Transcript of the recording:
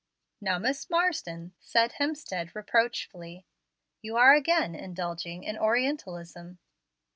"Now, Miss Marsden," said Hemstead, reproachfully, "you are again indulging in orientalism."